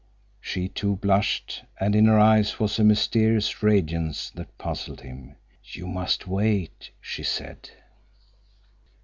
She, too, blushed, and in her eyes was a mysterious radiance that puzzled him. "You must wait," she said.